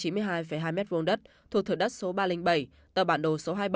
bảy chín mươi hai hai m hai đất thuộc thượng đất số ba trăm linh bảy tờ bản đồ số hai mươi bảy